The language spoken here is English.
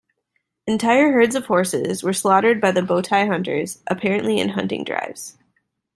Entire herds of horses were slaughtered by the Botai hunters, apparently in hunting drives.